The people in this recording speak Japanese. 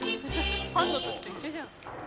「パンの時と一緒じゃん」